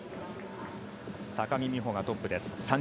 高木美帆がトップです。